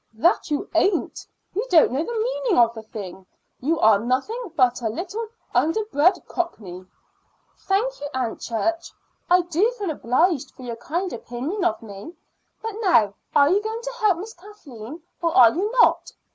"That you ain't. You don't know the meaning of the thing. You are nothing but a little, under bred Cockney." "Thank you, Aunt Church. I do feel obliged for your kind opinion of me. But now, are you going to help Miss Kathleen, or are you not?